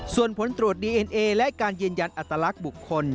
ส่วนผลตรวจดีเอ็นเอและการยืนยันอัตลักษณ์บุคคล